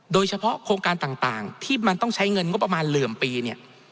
โครงการต่างที่มันต้องใช้เงินงบประมาณเหลื่อมปีเนี่ย